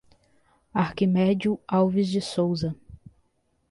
Arquimedio Alves de Souza